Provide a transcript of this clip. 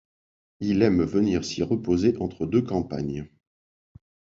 Il aime venir s'y reposer entre deux campagnes.